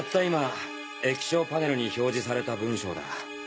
今液晶パネルに表示された文章だ。